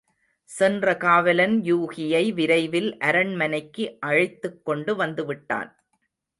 சென்ற காவலன் யூகியை விரைவில் அரண்மனைக்கு அழைத்துக் கொண்டு வந்துவிட்டான்.